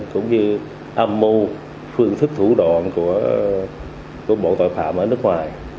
cũng như âm mưu phương thức thủ đoạn của bộ tội phạm ở nước ngoài